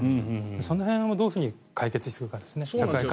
その辺をどう解決するかですね。